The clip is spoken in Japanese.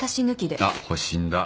あっ保身だ。